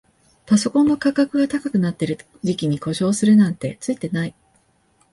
パソコンの価格が高くなってる時期に故障するなんてツイてない